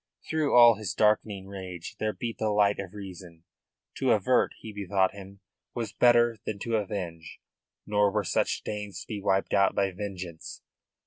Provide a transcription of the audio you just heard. Through all his darkening rage there beat the light of reason. To avert, he bethought him, was better than to avenge. Nor were such stains to be wiped out by vengeance.